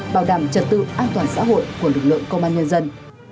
bảo đảm trật tự an toàn xã hội của lực lượng công an nhân dân